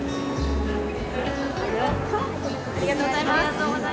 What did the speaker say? ありがとうございます！